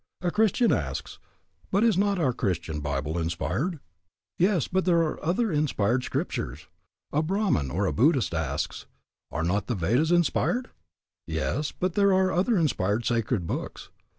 A Christian asks, "But is not our Christian Bible inspired?" Yes, but there are other inspired scriptures. A Brahmin or a Buddhist asks, "Are not the Vedas inspired?" Yes, but there are other inspired sacred books.